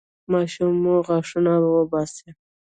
ماشوم مو غاښونه وباسي؟